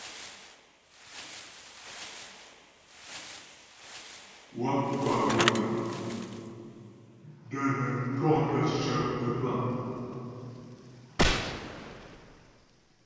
Wáp kwa pɔmnəŋ də́ nə twɔktə́ cicə mə́twâ.